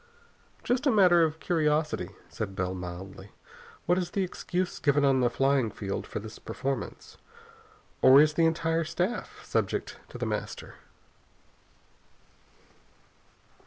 "Just as a matter of curiosity," said Bell mildly, "what is the excuse given on the flying field for this performance? Or is the entire staff subject to The Master?"